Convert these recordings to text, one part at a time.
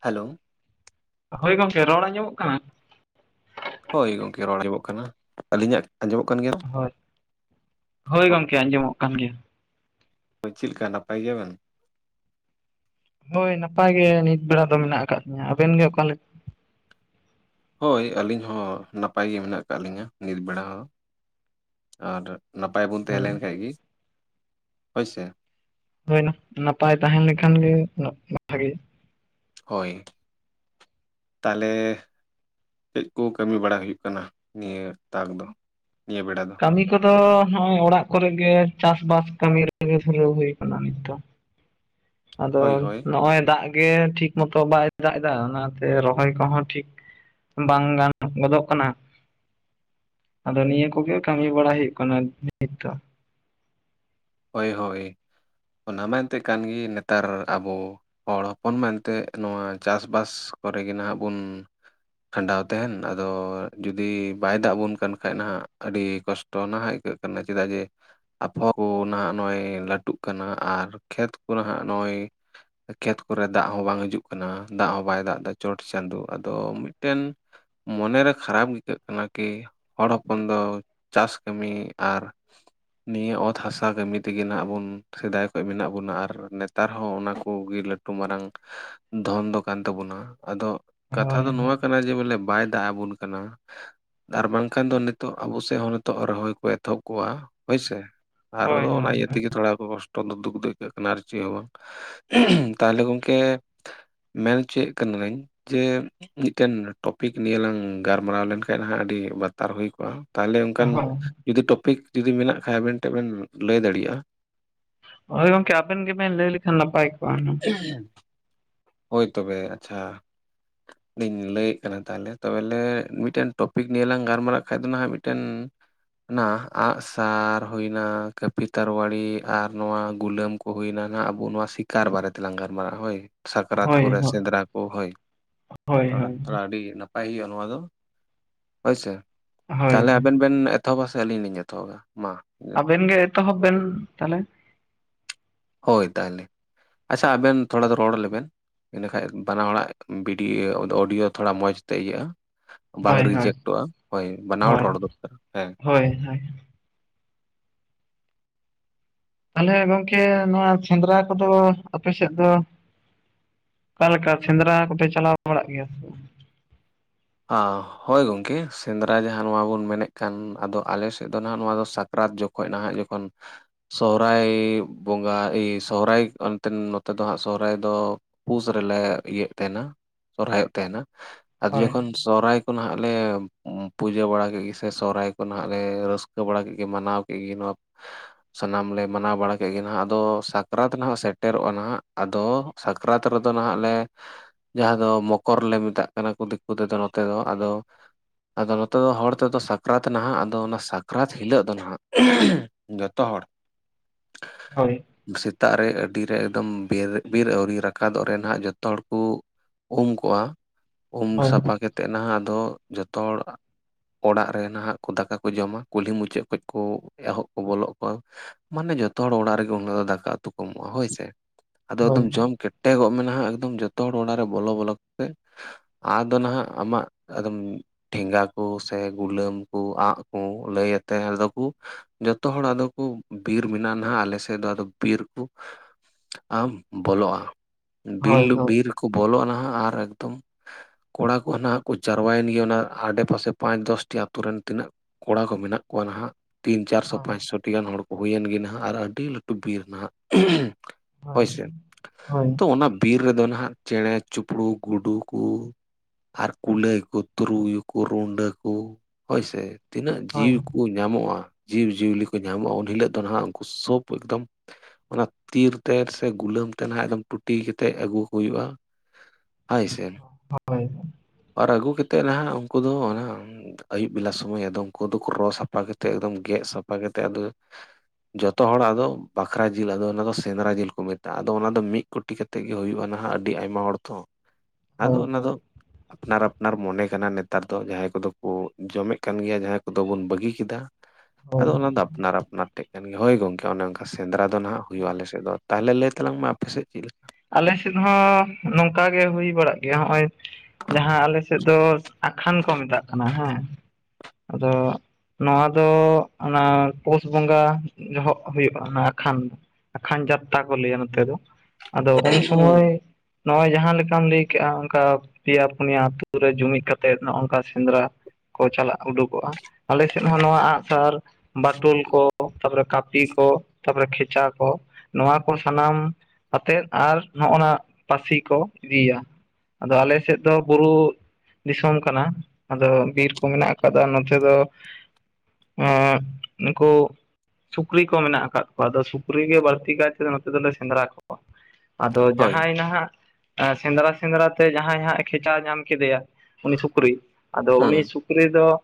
Hello ᱦᱳᱭ ᱜᱚᱢᱠᱮ ᱨᱚᱲ ᱟᱸᱡᱚᱢᱚᱜ ᱠᱟᱱᱟ᱾ ᱦᱳᱭ ᱜᱚᱢᱠᱮ ᱨᱚᱲ ᱟᱸᱡᱚᱢᱚᱜ ᱠᱟᱱᱟ ᱟᱹᱞᱤᱧᱟᱜ ᱟᱸᱡᱚᱢᱚᱜ ᱠᱟᱱ ᱜᱮᱭᱟ? ᱦᱳᱭ ᱦᱳᱭ ᱜᱚᱢᱠᱮ ᱟᱸᱡᱚᱢᱚᱜ ᱠᱟᱱ ᱜᱮᱭᱟ᱾ ᱦᱳᱭ ᱪᱮᱫ ᱞᱮᱠᱟ ᱱᱟᱯᱟᱭ ᱜᱮᱭᱟᱵᱮᱱ? ᱦᱳᱭ ᱱᱟᱯᱟᱭ ᱜᱮ ᱱᱤᱛ ᱵᱮᱲᱟ ᱫᱚ ᱢᱮᱱᱟᱜ ᱟᱠᱟᱫ ᱞᱤᱧᱟᱹ ᱟᱵᱮᱱ ᱜᱮ ᱚᱠᱟ ᱞᱮᱠᱟ? ᱦᱳᱭ ᱟᱹᱞᱤᱧ ᱦᱚᱸ ᱱᱟᱯᱟᱭ ᱜᱮ ᱢᱮᱱᱟᱜ ᱟᱠᱟᱫ ᱞᱤᱧᱟᱹ ᱱᱤᱛ ᱵᱮᱲᱟ ᱦᱚᱸ ᱟᱨ ᱱᱟᱯᱟᱭ ᱵᱚᱞᱛᱮ ᱦᱳᱭ ᱟᱞᱮ ᱱᱟᱠᱷᱟ ᱜᱮ ᱦᱳᱭ ᱥᱮ᱾ ᱦᱩᱭᱮᱱᱟ ᱱᱟᱯᱟᱭ ᱛᱟᱦᱮᱸ ᱞᱮᱠᱷᱟᱱ ᱜᱮ ᱵᱷᱟᱜᱤ᱾ ᱦᱳᱭ ᱛᱟᱦᱚᱞᱮ ᱪᱮᱡ ᱠᱚ ᱠᱟᱹᱢᱤ ᱵᱟᱲᱟ ᱦᱩᱭᱩᱜ ᱠᱟᱱᱟ ᱱᱤᱭᱟᱹ ᱛᱟᱠ ᱫᱚ ᱱᱤᱭᱟᱹ ᱵᱮᱲᱟ ᱫᱚ᱾ ᱠᱟᱹᱢᱤ ᱠᱚᱫᱚ ᱱᱚᱜᱼᱚᱭ ᱚᱲᱟᱜ ᱠᱚᱨᱮ ᱜᱮ ᱪᱟᱥ-ᱵᱟᱥ ᱠᱟᱹᱢᱤ ᱨᱮᱜᱮ ᱫᱷᱩᱨᱟᱹᱣ ᱦᱩᱭ ᱟᱠᱟᱱᱟ ᱱᱤᱛ ᱫᱚ ᱾ ᱟᱫᱚ ᱦᱳᱭ ᱦᱳᱭ ᱱᱚᱜᱼᱚᱭ ᱫᱟᱜ ᱜᱮ ᱴᱷᱤᱠ ᱢᱚᱛᱚ ᱵᱟᱭ ᱫᱟᱜ ᱮᱫᱟ ᱚᱱᱟ ᱛᱮ ᱨᱚᱦᱚᱭ ᱠᱚᱦᱚᱸ ᱴᱷᱤᱠ ᱵᱟᱝ ᱜᱟᱱ ᱜᱚᱫᱚᱜ ᱠᱟᱱᱟ᱾ ᱟᱫᱚ ᱱᱤᱭᱟᱹ ᱠᱚᱜᱮ ᱠᱟᱹᱢᱤ ᱵᱟᱲᱟ ᱦᱩᱭᱩᱜ ᱠᱟᱱᱟ ᱱᱤᱛ ᱫᱚ᱾ ᱦᱳᱭ ᱦᱳᱭ ᱚᱱᱟ ᱢᱟ ᱮᱱᱛᱮᱫ ᱠᱟᱱ ᱜᱮ ᱱᱮᱛᱟᱨ ᱟᱵᱚ ᱦᱚᱲ ᱦᱚᱯᱚᱱ ᱢᱮᱱᱛᱮ ᱱᱚᱣᱟ ᱪᱟᱥᱵᱟᱥ ᱠᱚᱨᱮᱜᱮ ᱱᱟᱦᱟᱜ ᱵᱚᱱ ᱠᱷᱟᱸᱰᱟᱣ ᱛᱟᱦᱮᱱ ᱟᱫᱚ ᱡᱩᱫᱤ ᱵᱟᱭ ᱫᱟᱜ ᱟᱵᱚᱱ ᱠᱟᱱ ᱠᱷᱟᱡ ᱱᱟᱦᱟᱜ ᱟᱹᱰᱤ ᱠᱚᱥᱴ ᱴᱚ ᱱᱟᱦᱟᱜ ᱟᱹᱭᱠᱟᱹᱜ ᱠᱟᱱᱟ ᱪᱮᱫᱟᱜ ᱡᱮ [unintelligible] ᱱᱟᱦᱟᱜ ᱱᱚᱜ-ᱚᱭ ᱞᱟᱹᱴᱩᱜ ᱠᱟᱱᱟ ᱟᱨ ᱠᱷᱮᱛ ᱠᱚᱨᱮ ᱦᱟᱸᱜ ᱱᱚᱜ-ᱚᱭ ᱠᱷᱮᱛ ᱠᱚᱨᱮ ᱫᱟᱜ ᱦᱚᱸ ᱵᱟᱝ ᱦᱤᱡᱩᱜ ᱠᱟᱱᱟ ᱫᱟᱜ ᱦᱚᱸ ᱵᱟᱭ ᱫᱟᱜ ᱫᱟ ᱪᱚᱴ ᱪᱟᱸᱫᱳ ᱟᱫᱚ ᱢᱤᱫᱴᱮᱱ ᱢᱚᱱᱮ ᱨᱮ ᱠᱷᱟᱨᱟᱯ ᱟᱹᱭᱠᱟᱹᱜ ᱠᱟᱱᱟ ᱠᱤ ᱦᱚᱲ ᱦᱚᱯᱚᱱ ᱫᱚ ᱪᱟᱥ ᱠᱟᱹᱢᱤ ᱟᱨ ᱱᱤᱭᱟᱹ ᱚᱛ ᱦᱟᱥᱟ ᱵᱟ ᱠᱟᱹᱢᱤ ᱛᱮᱜᱮ ᱱᱟᱦᱟᱜ ᱵᱚᱱ ᱥᱮᱫᱟᱭ ᱠᱷᱚᱡ ᱢᱮᱱᱟᱜ ᱵᱚᱱᱟ ᱟᱨ ᱱᱮᱛᱟᱨ ᱦᱚᱸ ᱚᱱᱟ ᱠᱚᱜᱮ ᱞᱟᱹᱴᱩ ᱢᱟᱨᱟᱝ ᱫᱷᱚᱱ ᱫᱚ ᱠᱟᱱ ᱛᱟᱵᱚᱱᱟ ᱟᱫᱚ ᱠᱟᱛᱷᱟ ᱦᱳᱭ ᱫᱚ ᱱᱚᱣᱟ ᱦᱳᱭ ᱠᱟᱱᱟ ᱡᱮ ᱵᱚᱞᱮ ᱵᱟᱭ ᱫᱟᱜ ᱟᱵᱚᱱ ᱠᱟᱱᱟ ᱟᱨ ᱵᱟᱝ ᱠᱷᱟᱱ ᱫᱚ ᱱᱤᱛᱚᱜ ᱟᱵᱚ ᱥᱮᱫ ᱦᱚᱸ ᱱᱤᱛᱚᱜ ᱨᱚᱦᱚᱭ ᱠᱚ ᱮᱛᱚᱦᱚᱵ ᱠᱚᱣᱚᱜ-ᱟ ᱦᱳᱭ ᱥᱮ ᱟᱨ ᱦᱳᱭ ᱫᱚ ᱦᱳᱭ ᱚᱱᱟ ᱤᱭᱟᱹ ᱛᱮᱜᱤ ᱛᱚᱲᱟ ᱠᱚ ᱠᱚᱥᱴ ᱛᱚ ᱫᱷᱩᱠ ᱫᱷᱩᱠ ᱫᱚ ᱟᱹᱭᱠᱟᱹᱜ ᱠᱟᱱᱟ ᱟᱨ ᱪᱮᱫ ᱦᱚᱸ ᱵᱟᱝ ᱛᱟᱦᱞᱮ ᱜᱚᱢᱠᱮ ᱢᱮᱱ ᱚᱪᱚᱭᱮᱫ ᱠᱟᱹᱱᱟᱹᱧ ᱡᱮ ᱢᱤᱫᱴᱮᱱ ᱴᱚᱯᱤᱠ ᱱᱤᱭᱟᱹ ᱞᱟᱝ ᱜᱟᱨᱢᱟᱨᱟᱣ ᱞᱮᱱᱠᱷᱟᱡ ᱱᱟᱦᱟᱜ ᱟᱹᱰᱤ ᱵᱟᱛᱟᱨ ᱦᱩᱭ ᱠᱚᱜ-ᱟ᱾ ᱛᱟᱦᱚᱞᱮ ᱚᱱᱠᱟᱱ ᱦᱳᱭ ᱡᱩᱫᱤ ᱴᱚᱯᱤᱠ ᱡᱩᱫᱤ ᱢᱮᱱᱟᱜ ᱠᱷᱟᱡ ᱟᱵᱮᱱ ᱴᱷᱮᱱ ᱵᱮᱱ ᱞᱟᱹᱭ ᱫᱟᱲᱮᱭᱟᱜ-ᱟ ᱦᱳᱭ ᱜᱚᱝᱠᱮ ᱟᱵᱮᱱ ᱜᱮᱵᱮᱱ ᱞᱟᱹᱭ ᱞᱮᱠᱷᱟᱱ ᱱᱟᱯᱟᱭ ᱠᱚᱜ-ᱟ ᱦᱟᱸᱜ ᱦᱩᱱᱟᱹᱝ [unintelligible] ᱦᱳᱭ ᱛᱚᱵᱮ ᱟᱪᱪᱷᱟ [unintelligible] ᱞᱤᱧ ᱞᱟᱹᱭᱮᱫ ᱠᱟᱱᱟ ᱛᱟᱦᱚᱞᱮ ᱛᱚᱵᱮ ᱞᱮ ᱢᱤᱫᱴᱮᱱ ᱴᱚᱯᱤᱠ ᱱᱤᱭᱮ ᱞᱟᱝ ᱜᱟᱨᱢᱟᱨᱟᱜ ᱠᱷᱟᱡ ᱫᱚ ᱱᱟᱦᱟᱜ ᱢᱤᱫᱴᱮᱱ ᱚᱱᱟ ᱟᱸᱜ ᱥᱟᱨ ᱦᱩᱭᱱᱟ ᱠᱟᱹᱯᱤ, ᱛᱟᱨᱣᱟᱲᱤ ᱟᱨ ᱱᱚᱣᱟ ᱜᱩᱞᱟᱹᱢ ᱠᱚ, ᱠᱚ ᱦᱩᱭᱱᱟ ᱱᱟᱦᱟᱜ ᱟᱵᱚ ᱱᱚᱣᱟ ᱥᱤᱠᱟᱨ ᱵᱟᱨᱮ ᱛᱮᱞᱟᱝ ᱜᱟᱨᱢᱟᱨᱟᱜ-ᱟ ᱦᱳᱭ, ᱥᱟᱠᱨᱟᱛ ᱦᱳᱭ ᱠᱚᱨᱮ ᱦᱳ ᱥᱮᱸᱫᱽᱨᱟ ᱠᱚ ᱦᱳᱭ, ᱛᱚ ᱦᱳᱭ ᱚᱱᱟ ᱦᱳᱭ ᱛᱷᱚᱲᱟ ᱟᱹᱰᱤ ᱵᱟᱭ ᱦᱩᱭᱩᱜ-ᱟ ᱱᱚᱣᱟ ᱫᱚ ᱦᱳᱭ ᱥᱮ ᱛᱟᱦᱚᱞᱮ ᱦᱳᱭ ᱟᱵᱮᱱ ᱵᱮᱱ ᱮᱛᱚᱦᱚᱵᱟ ᱥᱮ ᱟᱹᱞᱤᱧ ᱞᱤᱧ ᱮᱛᱚᱦᱚᱵᱟ ᱢᱟ, ᱟᱵᱮᱱ ᱜᱮ ᱮᱛᱚᱦᱚᱵ ᱵᱮᱱ ᱛᱟᱦᱞᱮ ᱦᱳᱭ ᱛᱟᱦᱚᱞᱮ ᱟᱪᱪᱷᱟ ᱟᱵᱮᱱ ᱛᱷᱚᱲᱟ ᱫᱚ ᱨᱚᱲ ᱞᱮᱵᱮᱱ ᱤᱱᱟᱹ ᱠᱷᱟᱡ ᱵᱟᱱᱟ ᱦᱚᱲᱟᱜ ᱵᱷᱤᱰᱤᱭᱳ ᱚᱫᱚ ᱚᱰᱤᱭᱳ ᱛᱷᱚᱲᱟ ᱢᱚᱡᱽ ᱛᱮ ᱤᱭᱟᱹᱜ-ᱟ ᱾ ᱵᱟᱝ ᱦᱳᱭ ᱦᱳᱭ ᱨᱤᱡᱮᱠᱴᱚᱜ-ᱟ ᱦᱳᱭ ᱵᱟᱱᱟ ᱦᱚᱲ ᱦᱳᱭ ᱨᱚᱲ ᱫᱚᱨᱠᱟᱨ ᱦᱮᱸ ᱾ ᱦᱳᱭ ᱦᱳᱭ ᱾ ᱛᱟᱦᱚᱞᱮ ᱜᱚᱝᱠᱮ ᱱᱚᱣᱟ ᱥᱮᱸᱫᱽᱨᱟ ᱠᱚᱫᱚ ᱟᱯᱮ ᱥᱮᱫ ᱫᱚ ᱚᱠᱟ ᱞᱮᱠᱟ ᱥᱮᱸᱫᱽᱨᱟ ᱠᱚᱯᱮ ᱪᱟᱞᱟᱣ ᱵᱟᱲᱟᱜ ᱜᱮᱭᱟ ᱥᱮ ᱵᱟᱝ? ᱦᱳᱭ ᱜᱚᱝᱠᱮ ᱥᱮᱸᱫᱽᱨᱟ ᱡᱟᱦᱟᱸ ᱱᱚᱣᱟ ᱵᱚᱱ ᱢᱮᱱᱮᱫ ᱠᱟᱱ ᱟᱫᱚ ᱟᱞᱮ ᱥᱮᱫ ᱫᱚ ᱱᱟᱦᱟᱜ ᱱᱚᱣᱟ ᱫᱚ ᱥᱟᱠᱨᱟᱛ ᱡᱚᱠ ᱠᱷᱚᱡ ᱱᱟᱦᱟᱜ ᱡᱚᱠᱷᱚᱱ ᱥᱚᱦᱨᱟᱭ ᱵᱚᱸᱜᱟ ᱮ ᱥᱚᱦᱨᱟᱭ ᱮᱱᱛᱮᱱ ᱱᱚᱛᱮ ᱫᱚ ᱱᱟᱦᱟᱜ ᱥᱚᱦᱨᱟᱭ ᱫᱚ ᱯᱩᱥ ᱨᱮᱞᱮ ᱤᱭᱟᱹᱜ ᱛᱟᱦᱮᱱᱟ ᱥᱚᱨᱦᱟᱭᱚᱜ ᱛᱟᱦᱮᱱᱟ ᱟᱫᱚ ᱦᱳᱭ ᱡᱚᱠᱷ ᱥᱚᱦᱨᱟᱭ ᱠᱚ ᱱᱟᱦᱟᱜ ᱞᱮ ᱯᱩᱡᱟᱹ ᱵᱟᱲᱟ ᱠᱮᱫ ᱜᱮ ᱥᱮ ᱥᱚᱦᱨᱟᱭ ᱠᱚ ᱱᱟᱦᱟᱜ ᱞᱮ ᱨᱟᱹᱥᱠᱟᱹ ᱵᱟᱲᱟ ᱠᱮᱫ ᱜᱮ ᱢᱟᱱᱟᱣ ᱠᱮᱫ ᱜᱮ ᱱᱚᱣᱟ ᱥᱟᱱᱟᱢ ᱞᱮ ᱢᱟᱱᱟᱣ ᱵᱟᱲᱟ ᱠᱮᱫ ᱜᱮ ᱱᱟᱦᱟᱜ, ᱟᱫᱚ ᱥᱟᱠᱨᱟᱛ ᱱᱟᱦᱟᱜ ᱥᱮᱴᱮᱨᱚᱜ-ᱟ ᱱᱟᱦᱟᱜ ᱟᱫᱚ ᱥᱟᱠᱨᱟᱛ ᱨᱮᱫᱚ ᱱᱟᱦᱟᱜ ᱞᱮ ᱡᱟᱦᱟᱸ ᱫᱚ ᱢᱚᱠᱚᱨ ᱞᱮ ᱢᱮᱛᱟᱜ ᱠᱟᱱᱟ ᱠᱚ ᱫᱤᱠ ᱠᱩ ᱛᱮᱫᱚ ᱱᱚᱛᱮ ᱫᱚ ᱾ ᱟᱫᱚ ᱟᱫᱚ ᱱᱚᱛᱮ ᱫᱚ ᱦᱚᱲ ᱛᱮᱫᱚ ᱥᱟᱠᱨᱟᱛ ᱱᱟᱦᱟᱜ ᱟᱫᱚ ᱚᱱᱟ ᱥᱟᱠᱨᱟᱛ ᱦᱤᱞᱟᱹᱜ ᱫᱚ ᱱᱟᱦᱟᱜ ᱾ ᱡᱚᱛᱚ ᱦᱚᱲ ᱦᱳᱭ ᱾ ᱥᱮᱛᱟᱜ ᱨᱮ ᱟᱹᱰᱤ ᱨᱮ ᱮᱠᱫᱚᱢ ᱵᱮᱨ ᱵᱤᱨ ᱟᱹᱣᱨᱤ ᱨᱟᱠᱟᱫᱚᱜ ᱨᱮ ᱱᱟᱦᱟᱜ ᱡᱚᱛᱚ ᱦᱚᱲ ᱠᱩ ᱩᱢ ᱠᱚᱜ-ᱟ, ᱩᱢ ᱦᱳᱭ ᱥᱟᱯᱷᱟ ᱠᱟᱛᱮᱫ ᱱᱟᱦᱟᱜ ᱟᱫᱚ ᱡᱷᱚᱛᱚ ᱦᱚᱲ ᱚᱲᱟᱜ ᱨᱮ ᱱᱟᱦᱟᱜ ᱠᱚ ᱫᱟᱠᱟ ᱠᱚ ᱡᱚᱢᱟ ᱠᱩᱞᱦᱤ ᱢᱩᱪᱟᱹᱫ ᱠᱷᱚᱡ ᱠᱚ ᱮᱦᱚᱵ ᱠᱚ ᱵᱚᱞᱚᱜ ᱠᱚ ᱢᱟᱱᱮ ᱡᱷᱚᱛᱚ ᱦᱚᱲ ᱚᱲᱟᱜ ᱨᱮᱜᱮ ᱩᱱ ᱦᱤᱞᱳᱜ ᱫᱚ ᱫᱟᱠᱟ ᱩᱛᱩ ᱠᱚ ᱮᱢᱚᱜ-ᱟ ᱦᱳᱭ ᱥᱮ ᱾ ᱟᱫᱚ ᱦᱳᱭ ᱮᱠᱫᱚᱢ ᱦᱳᱭ ᱡᱚᱢ ᱠᱮᱴᱮᱜᱚᱜ ᱱᱟᱦᱟᱜ ᱮᱠᱫᱚᱢ ᱡᱚᱛᱚ ᱦᱚᱲ ᱚᱲᱟᱜ ᱨᱮ ᱵᱚᱞᱚ ᱵᱚᱞᱚ ᱠᱟᱛᱮᱫ ᱟᱛ ᱫᱚ ᱱᱟᱦᱟᱜ ᱟᱢᱟᱜ ᱟᱫᱚᱢ ᱴᱷᱮᱸᱜᱟ ᱠᱚ ᱥᱮ ᱜᱩᱞᱟᱹᱢ ᱠᱚ ᱟᱸᱜ ᱠᱚᱸ ᱞᱟᱹᱭ ᱟᱛᱮᱫ ᱟᱫᱚ ᱠᱩ ᱡᱚᱛᱚ ᱦᱚᱲ ᱟᱫᱚ ᱠᱚ ᱵᱤᱨ ᱢᱮᱱᱟᱜᱼᱟ ᱟᱞᱮ ᱥᱮᱫ ᱫᱚ ᱟᱫᱚ ᱵᱤᱨ ᱠᱚ ᱟᱢ ᱵᱚᱞᱚᱜᱼᱟ ᱵᱤᱞ ᱦᱳᱭ ᱦᱳᱭ ᱵᱤᱨ ᱠᱚ ᱵᱚᱞᱚᱜᱼᱟ ᱱᱟᱦᱟᱜ ᱟᱨ ᱮᱠᱫᱚᱢ ᱠᱚᱲᱟ ᱠᱚ ᱱᱟᱦᱟᱜ ᱠᱚ ᱪᱟᱨᱣᱟᱱᱤᱭᱟᱹ ᱱᱟᱜ ᱟᱰᱮ ᱯᱟᱥᱮ ᱯᱟᱸᱪ ᱫᱚᱥᱴᱤ ᱟᱛᱳ ᱨᱮᱱ ᱛᱤᱱᱟᱹᱜ ᱠᱚᱲᱟ ᱠᱚ ᱢᱮᱱᱟᱜ ᱠᱚᱣᱟ ᱱᱟᱦᱟᱜ ᱾ ᱛᱤᱱ ᱪᱟᱨᱥᱚ ᱦᱳᱭ ᱯᱟᱸᱪᱥᱚᱴᱤ ᱜᱟᱱ ᱦᱚᱲ ᱠᱚ ᱦᱩᱭᱮᱱ ᱜᱮ ᱱᱟᱦᱟᱜ ᱟᱨ ᱟᱹᱰᱤ ᱞᱟᱹᱴᱩ ᱵᱤᱨ ᱱᱟᱦᱟᱜ [unintelligible] ᱦᱳᱭ ᱥᱮ, ᱦᱳᱭ ᱛᱳ ᱚᱱᱟ ᱵᱤᱨ ᱨᱮᱫᱚ ᱱᱟᱦᱟᱜ ᱪᱮᱬᱮ, ᱪᱩᱯᱲᱩ, ᱜᱩᱰᱩ ᱠᱩ ᱟᱨ ᱠᱩᱞᱟᱹᱭ ᱠᱚ ᱛᱩᱨᱩᱭᱩ ᱠᱚ ᱨᱩᱰᱟᱹ ᱠᱚ ᱦᱳᱭᱥᱮ ᱛᱤᱱᱟᱹᱜ ᱡᱤᱣᱤ ᱠᱚ ᱠᱚ ᱧᱟᱢᱚᱜᱼᱟ ᱡᱤᱵᱽᱼᱡᱤᱭᱟᱹᱞᱤ ᱠᱚ ᱧᱟᱢᱚᱜᱼᱟ ᱩᱱ ᱦᱤᱞᱳᱜ ᱫᱚ ᱱᱟᱦᱟᱜ ᱩᱱᱠᱩ ᱥᱳᱵ ᱮᱠᱫᱚᱢ ᱚᱱᱟ ᱛᱤᱨ ᱛᱮ ᱥᱮ ᱜᱩᱞᱟᱹᱢ ᱛᱮ ᱱᱟᱜ ᱮᱠᱫᱚᱢ ᱴᱩᱴᱤ ᱠᱟᱛᱮᱫ ᱟᱹᱜᱩ ᱠᱚ ᱦᱩᱭᱩᱜᱼᱟ ᱾ ᱦᱟᱹᱭ ᱥᱮᱱ ᱾ ᱦᱳᱭ ᱟᱨ ᱟᱹᱜᱩ ᱠᱟᱛᱮᱫ ᱱᱟᱦᱟᱜ ᱩᱱᱠᱩ ᱫᱚ ᱚᱱᱟ ᱟᱹᱭᱩᱵ ᱵᱮᱞᱟ ᱥᱚᱢᱚᱭ ᱟᱫᱚᱢ ᱩᱱᱠᱩ ᱫᱚᱠᱚ ᱨᱚ ᱥᱟᱯᱷᱟ ᱠᱟᱛᱮᱫ ᱮᱠᱫᱚᱢ ᱜᱮᱫ ᱥᱟᱯᱷᱟ ᱠᱟᱛᱮᱫ ᱟᱫᱚ ᱡᱚᱛᱚ ᱦᱚᱲ ᱟᱫᱚ ᱵᱟᱠᱷᱨᱟ ᱡᱤᱞ ᱟᱫᱚ ᱚᱱᱟᱫᱚ ᱥᱮᱸᱫᱽᱨᱟ ᱡᱤᱞ ᱠᱚ ᱢᱮᱛᱟᱜᱼᱟ ᱟᱫᱚ ᱚᱱᱟᱫᱚ ᱢᱤᱫ ᱠᱩᱴᱤ ᱠᱟᱛᱮᱫ ᱜᱮ ᱦᱩᱭᱩᱜᱼᱟ ᱱᱟᱦᱟᱜ ᱟᱹᱰᱤ ᱟᱭᱢᱟ ᱦᱚᱲ ᱛᱚ ᱾ [unintelligible] ᱟᱫᱚ ᱚᱱᱟ ᱫᱚ ᱟᱯᱱᱟᱨ ᱟᱯᱱᱟᱨ ᱢᱚᱱᱮ ᱠᱟᱱᱟ ᱱᱮᱛᱟᱨ ᱫᱚ ᱡᱟᱦᱟᱸᱭ ᱠᱚᱫᱚ ᱠᱚ ᱡᱚᱢᱮᱫ ᱠᱟᱱ ᱜᱮᱭᱟ ᱡᱟᱦᱟᱸᱭ ᱠᱚᱫᱚ ᱵᱚᱱ ᱵᱟᱹᱜᱤ ᱠᱮᱫᱟ ᱾ ᱦᱳᱭ ᱟᱫᱚ ᱚᱱᱟ ᱦᱳᱭ ᱫᱚ ᱟᱯᱱᱟᱨ ᱟᱯᱱᱟᱨ ᱴᱷᱮᱜ ᱠᱟᱱ ᱜᱮ, ᱦᱳᱭ ᱜᱚᱝᱠᱮ ᱚᱱᱮ ᱚᱱᱠ ᱥᱮᱸᱫᱽᱨᱟ ᱫᱚ ᱱᱟᱦᱟᱜ ᱦᱩᱭᱩᱜᱼᱟ ᱟᱞᱮ ᱥᱮᱫ ᱫᱚ, ᱛᱟᱦᱚᱞᱮ ᱞᱟᱹᱭ ᱛᱟᱞᱟᱝ ᱢᱮ ᱟᱯᱮ ᱥᱮᱫ ᱪᱮᱫ ᱞᱮᱠᱟ? ᱟᱞᱮ ᱥᱮᱫ ᱦᱚᱸ ᱱᱚᱝᱠᱟ ᱜᱮ ᱦᱩᱭ ᱵᱟᱲᱟᱜ ᱜᱮᱭᱟ ᱦᱚᱜᱼᱚᱭ ᱡᱟᱦᱟᱸ ᱟᱞᱮ ᱥᱮᱫ ᱫᱚ ᱟᱠᱷᱟᱱ ᱠᱚ ᱢᱮᱛᱟᱜ ᱠᱟᱱᱟ ᱦᱮᱸ, ᱟᱫᱚ ᱱᱚᱣᱟ ᱫᱚ ᱚᱱᱟ ᱯᱳᱥ ᱵᱚᱸᱜᱟ ᱡᱚᱦᱚᱜ ᱦᱩᱭᱩᱜᱼᱟ ᱚᱱᱮ ᱟᱠᱷᱟᱱ ᱾ ᱟᱠᱷᱟᱱ ᱡᱟᱛᱛᱟ ᱠᱚ ᱞᱟᱹᱭ ᱟ ᱱᱚᱛᱮ ᱫᱚ ᱟᱫᱚ ᱩᱱ ᱦᱮᱸ ᱥᱚᱢᱚᱭ ᱱᱚᱜᱼᱚᱭ ᱡᱟᱦᱟᱸ ᱞᱮᱠᱟᱢ ᱞᱟᱹᱭ ᱠᱮᱫᱼᱟ ᱚᱱᱠᱟ ᱯᱮᱭᱟ ᱯᱩᱱᱭᱟ ᱟᱛᱩ ᱨᱮ ᱡᱩᱢᱤᱫ ᱠᱟᱛᱮᱫ ᱱᱚᱜᱝᱠᱟ ᱥᱮᱸᱫᱽᱨᱟ ᱾ ᱠᱚ ᱪᱟᱞᱟᱜ ᱩᱰᱩᱠᱚᱜᱼᱟ ᱟᱞᱮ ᱥᱮᱫ ᱦᱚᱸ ᱱᱚᱣᱟ ᱟᱸᱜᱼᱥᱟᱨ ᱵᱟᱴᱳᱞ ᱠᱚ ᱛᱟᱨᱯᱚᱨᱮ ᱠᱟᱹᱯᱤ ᱠᱚ ᱛᱟᱨᱯᱚᱨᱮ ᱠᱷᱮᱪᱟ ᱠᱚ ᱱᱚᱣᱟ ᱠᱚ ᱥᱟᱱᱟᱢ ᱟᱛᱮᱫ ᱟᱨ ᱱᱚᱜᱼᱚ ᱱᱟ ᱯᱟᱹᱥᱤ ᱠᱚ ᱤᱫᱤᱭᱟ ᱟᱫᱚ ᱟᱞᱮ ᱥᱮᱫ ᱫᱚ ᱵᱩᱨᱩ ᱫᱤᱥᱚᱢ ᱠᱟᱱᱟ ᱟᱫᱚ ᱵᱤᱨ ᱠᱚ ᱢᱮᱱᱟᱜ ᱟᱠᱟᱫᱟ ᱱᱚᱛᱮ ᱫᱚ ᱱᱩᱠᱩ ᱥᱩᱠᱨᱤ ᱠᱚ ᱢᱮᱱᱟᱜ ᱟᱠᱟᱫ ᱠᱚᱣᱟ ᱟᱫᱚ ᱥᱩᱠᱨᱤ ᱜᱮ ᱵᱟᱹᱲᱛᱤ ᱠᱟᱭᱛᱮ ᱱᱚᱛᱮ ᱫᱚᱞᱮ ᱥᱮᱸᱫᱽᱨᱟ ᱠᱚᱣᱟ ᱟᱫᱚ ᱦᱳᱭ ᱡᱟᱦᱟᱸᱭ ᱱᱟᱦᱟᱸᱜ ᱥᱮᱸᱫᱽᱨᱟ ᱥᱮᱸᱫᱽᱨᱟ ᱛᱮ ᱡᱟᱦᱟᱸᱭ ᱦᱟᱸᱜ ᱮ ᱠᱷᱮᱪᱟ ᱧᱟᱢ ᱠᱮᱫᱮᱭᱟ ᱩᱱᱤ ᱥᱩᱠᱨᱤ ᱟᱫᱚ ᱦᱩᱸ ᱩᱱᱤ ᱥᱩᱠᱨᱤ ᱫᱚ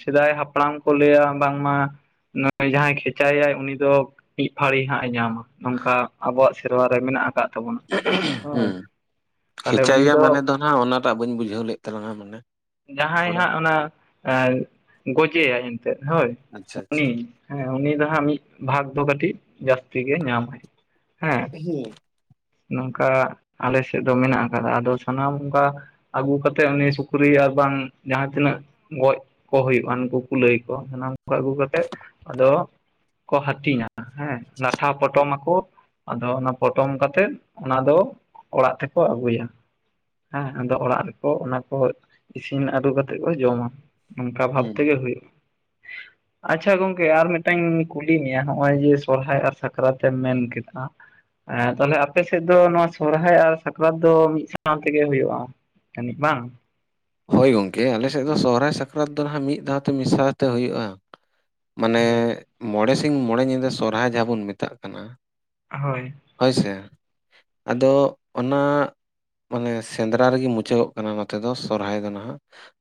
ᱥᱮᱫᱟᱭ ᱦᱟᱯᱲᱟᱢ ᱠᱚ ᱞᱟᱹᱭ ᱟ ᱵᱟᱝᱢᱟ ᱱᱚᱜᱼᱚᱭ ᱡᱟᱦᱟᱸᱭ ᱠᱷᱮᱪᱟᱭᱟᱭ ᱩᱱᱤ ᱫᱚ ᱢᱤᱫ ᱯᱷᱟᱹᱲᱤ ᱦᱟᱸᱜ ᱮ ᱧᱟᱢᱟ ᱱᱚᱝᱠᱟ ᱟᱵᱚᱣᱟᱜ ᱥᱮᱨᱣᱟ ᱨᱮ ᱢᱮᱱᱟᱜ ᱟᱠᱟᱫ ᱛᱟᱵᱚᱱᱟ ᱦᱳᱭ ᱦᱩᱸ ᱛᱟᱦᱞᱮ ᱩᱱᱤ ᱠᱷᱮᱪᱟᱭᱮᱭᱟ ᱢᱟᱱᱮ ᱫᱚ ᱱᱟᱜ ᱚᱱᱟᱴᱟᱜ ᱵᱟᱹᱧ ᱵᱩᱡᱷᱟᱹᱣ ᱞᱮᱫ ᱛᱟᱞᱟᱝᱟ ᱢᱟᱱᱮ ᱡᱟᱦᱟᱸᱭ ᱛᱷᱚᱲᱟ ᱦᱟᱸᱜ ᱚᱱᱟ ᱜᱚᱡᱮᱟᱭ ᱮᱱᱛᱮᱫ ᱦᱳᱭ ᱟᱪᱪᱷᱟ ᱩᱱᱤ ᱟᱪᱪᱷᱟ ᱦᱮᱸ ᱩᱱᱤ ᱫᱚ ᱦᱟᱸᱜ ᱢᱤᱫ ᱵᱷᱟᱜᱽ ᱫᱚ ᱠᱟᱹᱴᱤᱡ ᱡᱟᱹᱥᱛᱤ ᱜᱮ ᱧᱟᱢᱟᱭ ᱦᱮᱸ ᱱᱚᱝᱠᱟ ᱟᱞᱮ ᱥᱮᱫ ᱫᱚ ᱢᱮᱱᱟᱜ ᱟᱠᱟᱫᱟ ᱟᱫᱚ ᱥᱟᱱᱟᱢ ᱚᱱᱠᱟ ᱟᱹᱜᱩ ᱠᱟᱛᱮᱫ ᱩᱱᱤ ᱥᱩᱠᱨᱤ ᱟᱨ ᱵᱟᱝ ᱡᱟᱦᱟᱸ ᱛᱤᱱᱟᱹᱜ ᱜᱚᱡ ᱠᱚ ᱦᱩᱭᱩᱜᱼᱟ ᱩᱱᱩᱠᱩ ᱠᱩᱞᱟᱹᱭ ᱠᱚ ᱥᱟᱱᱟᱢ ᱠᱚ ᱟᱹᱜᱩ ᱠᱟᱛᱮᱜ ᱟᱫᱚ ᱠᱚ ᱦᱟᱹᱴᱤᱧᱟ ᱦᱮᱸ ᱞᱟᱴᱷᱟ ᱯᱚᱴᱚᱢ ᱟᱠᱚ ᱟᱫᱚ ᱚᱱᱟ ᱯᱚᱴᱚᱢ ᱠᱟᱛᱮᱜ ᱚᱱᱟ ᱫᱚ ᱚᱲᱟᱜ ᱛᱮᱠᱚ ᱟᱹᱜᱩᱭᱟ ᱦᱮᱸ ᱟᱫᱚ ᱚᱲᱟᱜ ᱨᱮᱠᱚ ᱚᱱᱟ ᱠᱚ ᱤᱥᱤᱱ ᱟᱹᱫᱩ ᱠᱟᱛᱮᱫ ᱠᱚ ᱡᱚᱢᱟ ᱚᱱᱠᱟ ᱵᱷᱟᱵᱽ ᱦᱩᱸ ᱛᱮᱜᱮ ᱦᱩᱭᱩᱜᱼᱟ ᱟᱪᱪᱷᱟ ᱜᱚᱝᱠᱮ ᱟᱨ ᱢᱤᱫᱴᱟᱝ ᱠᱩᱞᱤ ᱢᱮᱭᱟ ᱱᱚᱜᱼᱚᱭ ᱡᱮ ᱥᱚᱨᱦᱟᱭ ᱟᱨ ᱥᱟᱠᱨᱟᱛ ᱮᱢ ᱢᱮᱱ ᱠᱮᱫᱟ ᱦᱮᱸ ᱛᱟᱞᱦᱮ ᱟᱯᱮ ᱥᱮᱫ ᱫᱚ ᱱᱚᱣᱟ ᱥᱚᱨᱦᱟᱭ ᱟᱨ ᱥᱟᱠᱨᱟᱛ ᱫᱚ ᱢᱤᱫ ᱥᱟᱶ ᱛᱮᱜᱮ ᱦᱩᱭᱩᱜᱼᱟ ᱛᱟᱹᱱᱤᱡ ᱵᱟᱝ ᱦᱳᱭ ᱜᱚᱝᱠᱮ ᱟᱞᱮ ᱥᱮᱫ ᱫᱚ ᱥᱚᱦᱨᱟᱭ ᱥᱟᱠᱨᱟᱛ ᱫᱚ ᱱᱟᱦᱟᱸᱜ ᱢᱤᱫ ᱫᱷᱟᱣ ᱛᱮ ᱢᱮᱥᱟ ᱛᱮ ᱦᱩᱭᱩᱜᱼᱟ ᱢᱟᱱᱮ ᱦᱳᱭ ᱢᱚᱬᱮ ᱥᱤᱧ ᱢᱚᱬᱮ ᱧᱤᱫᱟᱹ ᱥᱚᱨᱦᱟᱭ ᱡᱟᱦᱟᱸ ᱵᱚᱱ ᱢᱮᱛᱟᱜ ᱠᱟᱱᱟ ᱦᱳᱭ ᱦᱳᱭ ᱥᱮ ᱟᱫᱚ ᱚᱱᱟ ᱢᱟᱱᱮ ᱥᱮᱸᱫᱽᱨᱟ ᱨᱮᱜᱮ ᱢᱩᱪᱟᱹᱫᱚᱜ ᱠᱟᱱᱟ ᱱᱚᱛᱮ ᱫᱚ ᱥᱚᱨᱦᱟᱭ ᱫᱚ ᱱᱟᱦᱟᱸᱜ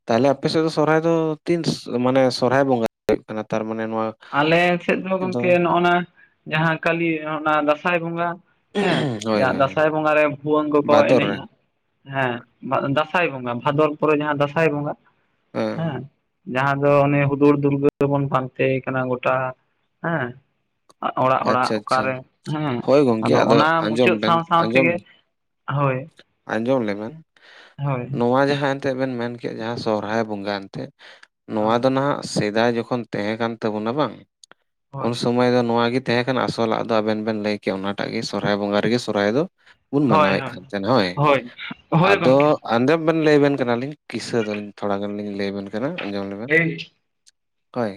ᱛᱟᱞᱦᱮ ᱟᱯᱮ ᱥᱮᱫ ᱫᱚ ᱥᱚᱨᱦᱟᱭ ᱫᱚ ᱛᱤᱱ ᱢᱟᱱᱮ ᱥᱚᱨᱦᱟᱭ ᱵᱚᱸᱜᱟ ᱦᱩᱭᱩᱜ ᱠᱟᱱᱟ ᱛᱟᱨᱢᱟᱱᱮ ᱱᱚᱣᱟ ᱟᱞᱮ ᱥᱮᱫ ᱫᱚ ᱜᱚᱢᱠᱮ ᱱᱚᱜᱼᱚᱭ ᱱᱟ ᱡᱟᱦᱟᱸ ᱠᱟᱞᱤ ᱚᱱᱟ ᱫᱟᱸᱥᱟᱭ ᱵᱚᱸᱜᱟ ᱦᱮᱸ ᱦᱳᱭ ᱡᱟᱦᱟᱸ ᱦᱳᱭ ᱫᱟᱸᱥᱟᱭ ᱵᱚᱸᱜᱟ ᱨᱮ ᱵᱷᱩᱣᱟᱹᱝ ᱠᱚᱠᱚ ᱵᱷᱟᱫᱚᱨ ᱨᱮ ᱮᱱᱮᱡᱼᱟ ᱦᱮᱸ ᱫᱟᱸᱥᱟᱭ ᱵᱚᱸᱜᱟ ᱵᱷᱟᱫᱚᱨ ᱯᱚᱨᱮ ᱡᱟᱦᱟᱸ ᱫᱟᱸᱥᱟᱭ ᱵᱚᱸᱜᱟ ᱦᱮᱸ ᱡᱟᱦᱟᱸ ᱫᱚ ᱚᱱᱮ ᱦᱩᱫᱩᱲ ᱫᱩᱨᱜᱟᱹ ᱵᱚᱱ ᱯᱟᱱᱛᱮ ᱭᱮ ᱠᱟᱱᱟ ᱜᱚᱴᱟ ᱦᱮᱸ ᱚᱲᱟᱜ ᱚᱲᱟᱜ ᱟᱪᱪᱷᱟ ᱟᱪᱪᱷᱟ ᱚᱠᱟᱨᱮ ᱦᱮᱸ ᱦᱳᱭ ᱜᱚᱢᱠᱮ ᱟᱫᱚ ᱚᱱᱟ ᱟᱸᱡᱚᱢ ᱢᱩᱪᱟᱹᱫ ᱵᱮᱱ ᱥᱟᱶ ᱥᱟᱶ ᱟᱸᱡᱚᱢ ᱛᱮᱜᱮ ᱦᱳᱭ ᱟᱸᱡᱚᱢ ᱞᱮ ᱵᱮᱱ ᱦᱳᱭ ᱱᱚᱣᱟ ᱡᱟᱦᱟᱸ ᱛᱮᱜ ᱵᱮᱱ ᱢᱮᱱ ᱠᱮᱫ ᱡᱟᱦᱟᱸ ᱥᱚᱦᱨᱟᱭ ᱵᱚᱸᱜᱟ ᱮᱱᱛᱮ ᱱᱚᱣᱟ ᱦᱳᱭ ᱫᱚ ᱱᱟᱦᱟᱸᱜ ᱥᱮᱫᱟᱭ ᱡᱚᱠᱷᱚᱱ ᱛᱟᱦᱮᱸ ᱠᱟᱱ ᱛᱟᱵᱚᱱᱟ ᱵᱟᱝ ᱩᱱ ᱦᱳᱭ ᱥᱚᱢᱟᱹᱭ ᱫᱚ ᱱᱚᱣᱟ ᱜᱮ ᱛᱟᱦᱮᱸ ᱠᱟᱱᱟ ᱟᱥᱚᱞᱟᱜ ᱫᱚ ᱟᱵᱮᱱ ᱵᱮᱱ ᱞᱟᱹᱭ ᱠᱮᱭᱟ ᱚᱱᱟᱴᱟᱜ ᱜᱮ ᱥᱚᱨᱦᱟᱭ ᱵᱚᱸᱜᱟ ᱨᱮᱜᱮ ᱥᱚᱨᱦᱟᱭ ᱫᱚ ᱵᱚᱱ ᱦᱳᱭ ᱢᱟᱱᱟᱣᱮᱫ ᱦᱳᱭ ᱠᱟᱱ ᱛᱟᱦᱮᱱ ᱦᱳᱭ ᱦᱳᱭ ᱟᱫᱚ ᱜᱚᱢᱠᱮ ᱟᱸᱡᱚᱢ ᱵᱮᱱ ᱞᱟᱹᱭ ᱟᱵᱮᱱ ᱠᱟᱱᱟᱞᱤᱧ ᱠᱤᱥᱟᱹ ᱫᱚᱞᱤᱧ ᱛᱷᱚᱲᱟ ᱜᱟᱱ ᱞᱤᱧ ᱞᱟᱹᱭ ᱟᱵᱮᱱ ᱠᱟᱱᱟ ᱟᱸᱡᱚᱢ ᱞᱮᱵᱮᱱ ᱮᱭ ᱦᱳᱭ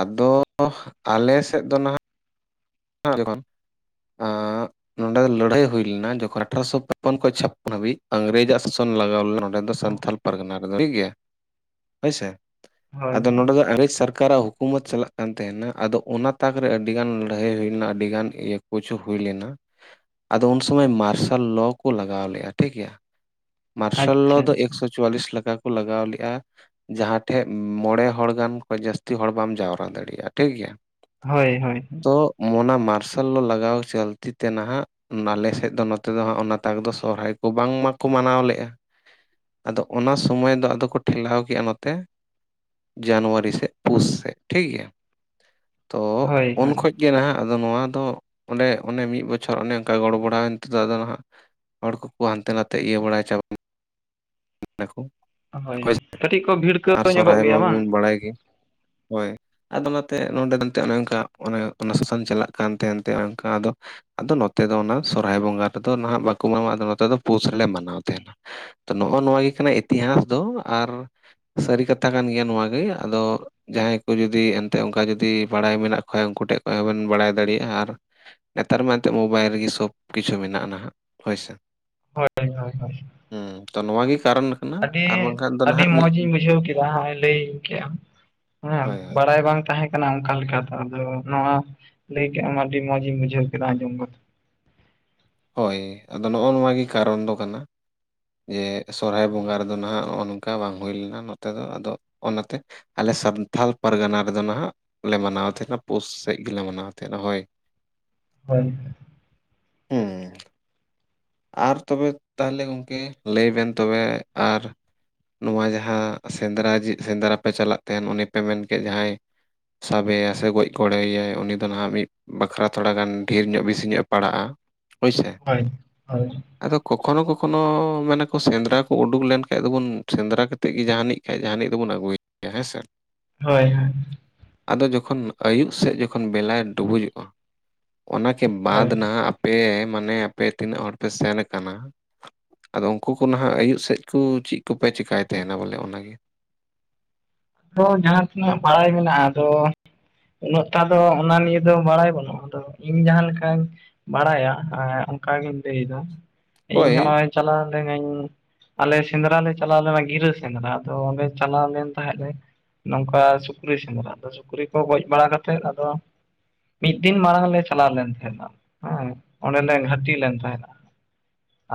ᱟᱫᱚ ᱟᱞᱮ ᱥᱮᱫ ᱫᱚ ᱱᱟᱦᱟᱸᱜ [inaudible] ᱟᱸᱻ ᱱᱚᱸᱰᱮ ᱞᱟᱹᱲᱦᱟᱹᱭ ᱦᱩᱭ ᱞᱮᱱᱟ ᱡᱚᱠᱷᱚᱱ ᱟᱴᱷᱚᱥᱚ [unintelligible] ᱠᱷᱚᱱ ᱪᱷᱟᱯᱟᱱ ᱦᱟᱹᱵᱤᱡ ᱤᱝᱨᱮᱡᱟᱜ ᱥᱟᱥᱚᱱ ᱞᱟᱜᱟᱣ ᱞᱮᱱᱟ ᱥᱟᱱᱛᱷᱟᱞ ᱯᱟᱨᱜᱟᱱᱟ ᱴᱷᱤᱠ ᱜᱮᱭᱟ ᱦᱟᱹᱭᱥᱮ ᱦᱳᱭ ᱟᱫᱚ ᱦᱳᱭ ᱱᱚᱰᱮ ᱫᱚ [unintelligible] ᱠᱟᱨᱟᱜ ᱦᱩᱠᱩᱢᱚᱛ ᱪᱟᱞᱟᱜ ᱠᱟᱱ ᱛᱟᱦᱮᱱᱟ ᱟᱫᱚ ᱚᱱᱟ ᱛᱟᱠ ᱨᱮ ᱟᱹᱰᱤ ᱜᱟᱱ ᱞᱟᱹᱲᱦᱟᱹᱭ ᱦᱩᱭᱱᱟ ᱟᱹᱰᱤ ᱜᱟᱱ ᱤᱭᱟᱹ ᱠᱚᱪᱩ ᱦᱩᱭ ᱞᱮᱱᱟ᱾ ᱟᱫᱚ ᱩᱱ ᱥᱚᱢᱚᱭ ᱢᱟᱨᱥᱟᱞ ᱞᱚ ᱠᱚ ᱞᱟᱜᱟᱣ ᱞᱮᱜᱼᱟ ᱴᱷᱤᱠ ᱜᱮᱭᱟ᱾ ᱢᱟᱨᱥᱟᱞ ᱞᱚ ᱟᱪᱪᱷᱟ ᱫᱚ ᱟᱪᱪᱷᱟ ᱮᱠᱥᱚ ᱪᱩᱣᱟᱞᱤᱥ ᱞᱮᱠᱟ ᱠᱚ ᱞᱟᱜᱟᱣ ᱞᱮᱜᱼᱟ᱾ ᱡᱟᱦᱟᱸ ᱴᱷᱮᱜ ᱢᱚᱬᱮ ᱦᱚᱲ ᱜᱟᱱ ᱠᱷᱚᱱ ᱡᱟᱹᱥᱛᱤ ᱦᱚᱲ ᱵᱟᱢ ᱡᱟᱣᱨᱟ ᱫᱟᱲᱮᱜᱼᱟ ᱴᱷᱤᱠ ᱜᱮᱭᱟ᱾ ᱦᱳᱭ ᱦᱳᱭ ᱚᱜ ᱢᱟᱨᱥᱟᱞ ᱞᱚ ᱞᱟᱜᱟᱣ ᱪᱟᱹᱞᱛᱤ ᱛᱮ ᱱᱟᱦᱟᱜ ᱱᱟᱞᱮ ᱥᱮᱜ ᱫᱚ ᱱᱚᱛᱮ ᱫᱚ ᱦᱟᱸᱜ ᱚᱱᱟ ᱛᱟᱠ ᱫᱚ ᱥᱚᱦᱨᱟᱭ ᱠᱚ ᱵᱟᱝ ᱢᱟᱠᱚ ᱢᱟᱱᱟᱣ ᱞᱮᱜᱼᱟ᱾ ᱟᱫᱚ ᱚᱱᱟ ᱥᱚᱢᱚᱭ ᱫᱚ ᱟᱫᱚ ᱠᱚ ᱴᱷᱮᱞᱟᱣ ᱠᱮᱜᱼᱟ ᱱᱚᱛᱮ᱾ ᱡᱟᱱᱣᱟᱨᱤ ᱥᱮᱜ ᱯᱩᱥ ᱥᱮᱜ ᱴᱷᱤᱠ ᱜᱮᱭᱟ᱾ ᱛᱚ ᱦᱳᱭ ᱩᱱ ᱦᱳᱭ ᱠᱷᱚᱡ ᱜᱮ ᱱᱟᱦᱟᱜ ᱟᱫᱚ ᱱᱚᱣᱟ ᱫᱚ ᱚᱸᱰᱮ ᱚᱱᱮ ᱢᱤᱫ ᱵᱚᱪᱷᱚᱨ ᱚᱱᱮ ᱚᱱᱠᱟ ᱜᱚᱲ ᱵᱚᱲᱟᱣᱮᱱ ᱛᱮᱫᱚ ᱟᱫᱚ ᱱᱟᱦᱟᱜ ᱦᱚᱲ ᱠᱚᱠᱚ ᱦᱟᱱᱛᱮ ᱱᱟᱛᱮ ᱜᱤᱭᱟᱹ ᱵᱟᱲᱟᱭ ᱪᱟᱵᱟ ᱫᱟᱠᱚ ᱦᱳᱭ ᱠᱟᱹᱴᱤᱡ ᱠᱚ ᱵᱷᱤᱲᱠᱟᱹᱣ ᱥᱮ ᱧᱚᱜᱚᱜ ᱥᱚᱨᱦᱟᱭ ᱢᱟ ᱜᱮᱭᱟ ᱵᱟᱝ ᱵᱩᱱ ᱵᱟᱲᱟᱭ ᱜᱮ ᱦᱳᱭ᱾ ᱟᱫᱚ ᱚᱱᱟᱛᱮ ᱱᱚᱸᱰᱮ ᱱᱟᱛᱮ ᱚᱱᱮ ᱚᱱᱠᱟ ᱚᱱᱮ ᱚᱱᱚ ᱥᱩᱥᱟᱱ ᱪᱟᱞᱟᱜ ᱠᱟᱱ ᱛᱮ ᱚᱱᱮ ᱚᱱᱠᱟ ᱟᱫᱚ ᱟᱫᱚ ᱱᱚᱛᱮ ᱫᱚ ᱚᱱᱟ ᱥᱚᱨᱦᱟᱭ ᱵᱚᱸᱜᱟ ᱨᱮᱫᱚ ᱱᱟᱦᱟᱜ ᱵᱟᱠᱚ ᱢᱟᱱᱟᱣᱟ ᱟᱫᱚ ᱱᱚᱛᱮ ᱫᱚ ᱯᱩᱥ ᱨᱮᱞᱮ ᱢᱟᱱᱟᱣ ᱛᱟᱦᱮᱱᱟ᱾ ᱱᱚᱜᱼᱚ ᱱᱚᱣᱟ ᱜᱮ ᱠᱟᱱᱟ ᱤᱛᱤᱦᱟᱥ ᱫᱚ ᱟᱨ ᱥᱟᱹᱨᱤ ᱠᱟᱛᱷᱟ ᱠᱟᱱ ᱜᱮᱭᱟ ᱱᱚᱣᱟ ᱜᱮ ᱟᱫᱚ ᱡᱟᱦᱟᱸᱭ ᱠᱚ ᱡᱩᱫᱤ ᱮᱱᱛᱮ ᱚᱱᱠᱟ ᱡᱩᱫᱤ ᱵᱟᱲᱟᱭ ᱢᱮᱱᱟᱜ ᱠᱷᱚᱭ ᱩᱱᱠᱩ ᱴᱷᱮᱱ ᱠᱚ ᱦᱚᱸᱵᱤᱱ ᱵᱟᱲᱟᱭ ᱫᱟᱲᱮᱭᱟᱜᱼᱟ, ᱟᱨ ᱱᱮᱛᱟᱨ ᱢᱟ ᱮᱱᱛᱮᱜ ᱢᱳᱵᱟᱭᱤᱞ ᱨᱮᱜᱮ ᱥᱚᱵᱽ ᱠᱤᱪᱷᱩ ᱢᱮᱱᱟᱜᱼᱟ ᱱᱟᱦᱟᱜ ᱦᱳᱭ ᱥᱮ᱾ ᱦᱳᱭ ᱦᱳᱭ ᱦᱳᱭ ᱦᱩᱸ ᱛᱚ ᱱᱚᱣᱟ ᱜᱮ ᱠᱟᱨᱚᱱ ᱠᱟᱱᱟ ᱟᱹᱰᱤ ᱟᱨ ᱵᱟᱝᱠᱷᱟᱱ ᱫᱚ ᱟᱹᱰᱤ ᱱᱟᱦᱟᱜ ᱢᱤᱫ ᱢᱚᱡᱤᱧ ᱵᱩᱡᱷᱟᱹᱣ ᱠᱮᱫᱟ ᱦᱮᱸᱜᱼᱮ ᱞᱟᱹᱭ ᱠᱮᱜᱼᱟᱢ᱾ ᱦᱮᱸ ᱦᱳᱭ ᱦᱳᱭ ᱵᱟᱲᱟᱭ ᱵᱟᱝ ᱛᱟᱦᱮᱸ ᱠᱟᱱᱟ ᱚᱱᱠᱟ ᱞᱮᱠᱟ ᱫᱚ ᱟᱫᱚ ᱱᱚᱣᱟ ᱞᱟᱹᱭ ᱠᱮᱜᱼᱟᱢ ᱟᱹᱰᱤ ᱢᱚᱸᱡᱽ ᱤᱧ ᱵᱩᱡᱷᱟᱹᱣ ᱠᱮᱫᱟ ᱟᱸᱡᱚᱢ ᱠᱟᱛᱮ᱾ ᱦᱳᱭ ᱟᱫᱚ ᱱᱚᱜᱼ ᱱᱚᱣᱟ ᱜᱮ ᱠᱟᱨᱚᱱ ᱫᱚ ᱠᱟᱱᱟ᱾ ᱡᱮ ᱥᱚᱦᱚᱨᱟᱭ ᱵᱚᱸᱜᱟ ᱨᱮᱫᱚ ᱱᱟᱦᱟᱜ ᱱᱚᱜᱼᱚ ᱱᱚᱝᱠᱟ ᱵᱟᱝ ᱦᱩᱭ ᱞᱮᱱᱟ ᱱᱚᱛᱮ ᱫᱚ ᱟᱫᱚ ᱚᱱᱟᱛᱮ ᱟᱞᱮ ᱥᱟᱱᱛᱷᱟᱞ ᱯᱟᱨᱜᱟᱱᱟ ᱨᱮᱫᱚ ᱱᱟᱦᱟᱜ ᱞᱮ ᱢᱟᱱᱟᱣ ᱛᱟᱦᱮᱱᱟ ᱯᱩᱥ ᱥᱮᱫ ᱜᱮᱞᱮ ᱢᱟᱱᱟᱣ ᱛᱟᱦᱮᱱᱟ ᱦᱳᱭ᱾ ᱦᱳᱭ ᱦᱩᱸ ᱟᱨ ᱛᱚᱵᱮ ᱛᱟᱦᱞᱮ ᱜᱚᱢᱠᱮ ᱞᱟᱹᱭ ᱵᱮᱱ ᱛᱚᱵᱮ ᱟᱨ ᱱᱚᱣᱟ ᱡᱟᱦᱟᱸ ᱥᱮᱸᱱᱫᱽᱨᱟ ᱡᱮ ᱥᱮᱸᱱᱫᱽᱨᱟ ᱯᱮ ᱪᱟᱞᱟᱜ ᱛᱟᱦᱮᱱ ᱩᱱᱤ ᱯᱮ ᱢᱮᱱᱠᱮᱫ ᱡᱟᱦᱟᱸᱭ ᱥᱟᱵᱮᱭᱟ ᱥᱮ ᱜᱚᱡ ᱜᱽᱚᱲᱚᱭᱟᱭ ᱩᱱᱤ ᱫᱚ ᱱᱟᱦᱟᱜ ᱢᱤᱫ ᱵᱟᱠᱷᱨᱟ ᱛᱷᱚᱲᱟ ᱜᱟᱱ ᱰᱷᱮᱨ ᱧᱚᱜ ᱵᱮᱥᱤ ᱧᱚᱜ ᱮ ᱯᱟᱲᱟᱜᱼᱟ ᱦᱳᱭᱥᱮ᱾ ᱦᱳᱭ ᱦᱳᱭ ᱟᱫᱚ ᱠᱚᱠᱷᱚᱱᱚ ᱠᱚᱠᱷᱚᱱᱚ ᱢᱮᱱᱟ ᱠᱚ ᱥᱮᱸᱱᱫᱽᱨᱟ ᱠᱚ ᱩᱰᱩᱝ ᱞᱮᱱᱠᱷᱟᱡ ᱫᱚᱵᱚᱱ ᱥᱮᱸᱱᱫᱽᱨᱟ ᱠᱟ ᱛᱮᱜ ᱜᱮ ᱡᱟᱦᱟᱱᱤᱡ ᱠᱷᱟᱡ ᱡᱟᱦᱟᱱᱤᱡ ᱫᱚᱵᱚᱱ ᱟᱹᱜᱩᱭᱮᱭᱟ ᱦᱮᱸ ᱥᱮ᱾ ᱦᱳᱭ ᱦᱳᱭ ᱟᱫᱚ ᱡᱚᱠᱷᱚᱱ ᱟᱹᱭᱩᱵ ᱥᱮᱫ ᱡᱚᱠᱷᱚᱱ ᱵᱮᱞᱟᱭ ᱰᱩᱵᱩᱡᱚᱜᱼᱟ᱾ ᱚᱱᱟᱠᱮ ᱦᱳᱭ ᱵᱟᱸᱫ ᱱᱟᱦᱟᱜ ᱟᱯᱮ ᱢᱟᱱᱮ ᱟᱯᱮ ᱛᱤᱱᱟᱹᱜ ᱦᱚᱲ ᱯᱮ ᱥᱮᱱ ᱠᱟᱱᱟ᱾ ᱟᱫᱚ ᱩᱱᱠᱩ ᱠᱚ ᱱᱟᱦᱜ ᱟᱹᱭᱩᱵ ᱥᱮᱫ ᱠᱚ ᱪᱮᱫ ᱠᱚᱯᱮ ᱪᱮᱠᱟᱭ ᱛᱟᱦᱮᱱᱟ ᱵᱚᱞᱮ ᱚᱱᱟᱜᱮ? ᱦᱚᱸ ᱡᱟᱦᱟᱸ ᱛᱤᱱᱟᱹᱜ ᱵᱟᱲᱟᱭ ᱢᱮᱱᱟᱜᱼᱟ ᱟᱫᱚ ᱩᱱᱟᱹᱜ ᱴᱟ ᱫᱚ ᱚᱱᱟ ᱱᱤᱭᱮ ᱫᱚ ᱵᱟᱲᱟᱭ ᱵᱟᱹᱱᱩᱜᱼᱟ ᱟᱫᱚ ᱤᱧ ᱡᱟᱦᱟᱸ ᱞᱮᱠᱟᱧ ᱵᱟᱲᱟᱭᱟ ᱮᱸ ᱚᱝᱠᱟ ᱜᱤᱧ ᱞᱟᱹᱭᱫᱟ ᱤᱧ ᱦᱳᱭ ᱦᱚᱸᱜᱼᱚᱭ ᱪᱟᱞᱟᱣ ᱞᱤᱱᱟᱹᱧ ᱟᱞᱮ ᱥᱮᱸᱱᱫᱽᱨᱟ ᱞᱮ ᱪᱟᱞᱟᱣ ᱞᱮᱱᱟ ᱜᱤᱨᱟᱹ ᱥᱮᱸᱱᱫᱽᱨᱟ ᱟᱫᱚ ᱚᱸᱰᱮ ᱪᱟᱞᱟᱣ ᱞᱮᱱ ᱛᱟᱦᱮᱸᱜ ᱞᱮ ᱱᱚᱝᱠᱟ ᱥᱩᱠᱨᱤ ᱥᱮᱸᱱᱫᱽᱨᱟ ᱟᱫᱚ ᱥᱩᱠᱨᱤ ᱠᱚ ᱜᱚᱡ ᱵᱟᱲᱟ ᱠᱟᱛᱮᱫ ᱟᱫᱚ ᱢᱤᱫ ᱫᱤᱱ ᱢᱟᱲᱟᱝ ᱞᱮ ᱪᱟᱞᱟᱣ ᱞᱮᱱ ᱛᱟᱦᱮᱸᱱᱟ ᱦᱮᱸ ᱚᱸᱰᱮ ᱞᱮ ᱜᱷᱟᱴᱤ ᱞᱮᱱ ᱛᱟᱦᱮᱸᱱᱟ᱾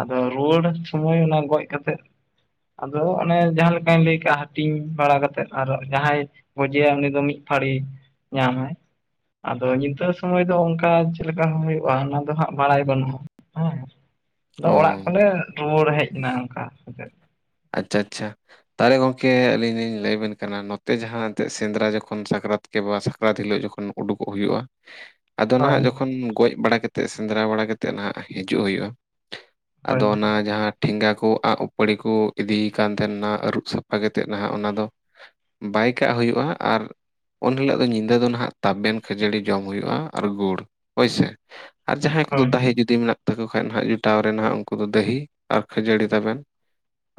ᱟᱫᱚ ᱨᱩᱣᱟᱹᱲ ᱥᱚᱢᱚᱭ ᱚᱱᱟ ᱜᱚᱡ ᱠᱟᱛᱮᱜ ᱟᱫᱚ ᱚᱱᱮ ᱡᱟᱦᱟᱸ ᱞᱮᱠᱟᱧ ᱞᱟᱹᱭ ᱠᱟᱜᱼᱟ ᱦᱟᱹᱴᱤᱧ ᱵᱟᱲᱟ ᱠᱟᱛᱮᱫ ᱟᱨᱚ ᱡᱟᱦᱟᱸᱭ ᱜᱚᱡᱮᱭᱟᱭ ᱩᱱᱤ ᱫᱚ ᱢᱤᱫ ᱯᱷᱟᱹᱲᱤ ᱧᱟᱢᱟᱭ᱾ ᱟᱫᱚ ᱧᱤᱫᱟᱹ ᱥᱚᱢᱚᱭ ᱫᱚ ᱚᱝᱠᱟ ᱪᱮᱫ ᱞᱮᱠᱟ ᱦᱩᱭᱩᱜᱼᱟ ᱚᱱᱟ ᱫᱚ ᱦᱟᱸᱜ ᱵᱟᱲᱟᱭ ᱵᱟᱹᱱᱩᱜᱼᱟ᱾ ᱦᱮᱸ ᱟᱫᱚ ᱚ ᱚᱲᱟᱜ ᱠᱚᱞᱮ ᱨᱩᱣᱟᱹᱲ ᱦᱮᱡ ᱮᱱᱟ ᱚᱝᱠᱟ ᱠᱟᱛᱮᱫ᱾ ᱟᱪᱪᱷᱟ ᱟᱪᱪᱷᱟ ᱛᱟᱦᱚᱞᱮ ᱜᱚᱢᱠᱮ ᱟᱹᱞᱤᱧ ᱞᱤᱧ ᱞᱟᱹᱭ ᱟᱵᱮᱱ ᱠᱟᱱᱟ ᱱᱚᱛᱮ ᱡᱟᱦᱟᱸ ᱱᱤᱛᱟᱜ ᱥᱮᱸᱱᱫᱽᱨᱟ ᱡᱚᱠᱷᱚᱱ ᱥᱟᱠᱨᱟᱛ ᱠᱮ ᱵᱟ ᱥᱟᱠᱨᱟᱛ ᱦᱤᱞᱳᱜ ᱡᱚᱠᱷᱚᱱ ᱩᱰᱩᱠᱚᱜ ᱦᱩᱭᱩᱜᱼᱟ ᱾ [inaudible] ᱟᱫᱚ ᱱᱟᱦᱟᱜ ᱡᱚᱠᱷᱚᱱ ᱜᱚᱡ ᱵᱟᱲᱟ ᱠᱟᱛᱮ ᱥᱮᱸᱱᱫᱽᱨᱟ ᱵᱟᱲᱟ ᱠᱟᱛᱮᱜ ᱱᱟᱜ ᱦᱤᱡᱩᱜ ᱦᱩᱭᱩᱜᱼᱟ, ᱦᱳᱭ ᱟᱫᱚ ᱚᱱᱟ ᱡᱟᱦᱟᱸ ᱴᱷᱮᱸᱜᱟ ᱠᱚ ᱟᱸᱜ, ᱩᱯᱟᱹᱲᱤ ᱠᱚ ᱤᱫᱤᱭ ᱠᱟᱱ ᱛᱟᱦᱮᱱᱟ ᱟᱹᱨᱩᱵ ᱥᱟᱯᱷᱟ ᱠᱟᱛᱮᱫ ᱱᱟᱦᱟᱜ ᱚᱱᱟ ᱫᱚ ᱵᱟᱭ ᱠᱟᱜ ᱦᱩᱭᱩᱜᱼᱟ, ᱟᱨ ᱩᱱ ᱦᱤᱞᱳᱜ ᱫᱚ ᱧᱤᱫᱟᱹ ᱫᱚ ᱦᱟᱸᱜ ᱛᱟᱵᱮᱱ ᱠᱷᱟᱹᱡᱟᱹᱲᱤ ᱡᱚᱢ ᱦᱩᱭᱩᱜᱼᱟ ᱟᱨ ᱜᱩᱲ ᱦᱳᱭᱥᱮ ᱾ ᱟᱨ ᱡᱟᱦᱟᱸᱭ ᱠᱚᱫᱚ ᱦᱳᱭ ᱫᱟᱹᱦᱤ ᱡᱩᱫᱤ ᱢᱮᱱᱟᱜ ᱛᱟᱠᱚ ᱠᱷᱟᱡ ᱱᱟᱦᱟᱜ ᱡᱚᱴᱟᱣ ᱨᱮᱱᱟᱜ ᱩᱱᱠᱩ ᱫᱚ ᱫᱟᱹᱦᱤ ᱟᱨ ᱠᱷᱟᱹᱡᱟᱹᱲᱤ ᱛᱟᱵᱮᱱ ᱾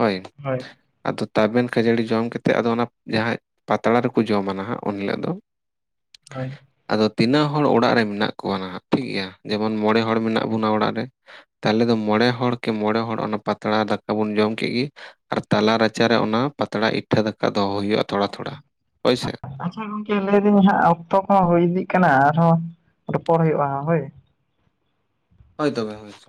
ᱦᱳᱭ ᱾ ᱦᱳᱭ ᱾ ᱟᱫᱚ ᱛᱟᱵᱮᱱ ᱠᱷᱟᱹᱡᱟᱹᱲᱤ ᱡᱚᱢ ᱠᱟᱛᱮᱫ ᱟᱫᱚ ᱚᱱᱟ ᱡᱟᱦᱟᱸ ᱯᱟᱛᱲᱟ ᱨᱮᱠᱚ ᱡᱚᱢᱟ ᱱᱟᱦᱟᱸᱜ ᱩᱱ ᱦᱤᱞᱳᱜ ᱫᱚ ᱾ ᱦᱳᱭ ᱾ ᱟᱫᱚ ᱛᱤᱱᱟᱹᱜ ᱦᱚᱲ ᱚᱲᱟᱜ ᱨᱮ ᱢᱮᱱᱟᱜ ᱠᱚᱣᱟ ᱱᱟᱦᱟᱜ ᱴᱷᱤᱠᱜᱮᱭᱟ, ᱡᱮᱢᱚᱱ ᱢᱚᱬᱮ ᱦᱚᱲ ᱢᱮᱱᱟᱜ ᱵᱚᱱᱟ ᱚᱲᱟᱜ ᱨᱮ ᱾ ᱛᱟᱦᱚᱞᱮ ᱫᱚ ᱢᱚᱸᱬᱮ ᱦᱚᱲ ᱠᱮ ᱢᱚᱸᱬᱮ ᱦᱚᱲ ᱚᱱᱟ ᱯᱟᱛᱟᱲᱟ ᱫᱟᱠᱟ ᱵᱚᱱ ᱡᱚᱢ ᱠᱮᱜ-ᱜᱮ ᱟᱨ ᱛᱟᱞᱟ ᱨᱟᱪᱟᱨᱮ ᱚᱱᱟ ᱯᱟᱛᱟᱲᱟ ᱤᱴᱷᱟᱹ ᱫᱟᱠᱟ ᱫᱚᱦᱚᱸ ᱦᱩᱭᱩᱜᱼᱟ ᱛᱷᱚᱲᱟ ᱛᱷᱚᱲᱟ ᱦᱳᱭᱥᱮ ᱾ ᱟᱪᱪᱷᱟ ᱜᱚᱢᱠᱮ ᱞᱟᱹᱭᱫᱟᱹᱧ ᱦᱟᱸᱜ ᱚᱠᱛᱚ ᱠᱚᱦᱚᱸ ᱦᱩᱭ ᱤᱫᱤᱜ ᱠᱟᱱᱟ ᱟᱨᱦᱚᱸ ᱨᱚᱯᱚᱲ ᱦᱩᱭᱩᱜᱼᱟ ᱦᱳᱭ ᱾ ᱦᱳᱭ ᱛᱚᱵᱮ ᱦᱳᱭ ᱾